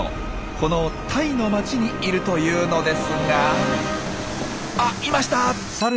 このタイの町にいるというのですがあっいました！